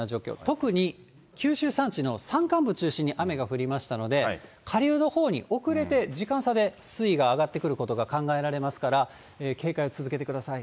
特に、九州山地の山間部を中心に雨が降りましたので、下流のほうに遅れて時間差で水位が上がってくることが考えられますから、警戒を続けてください。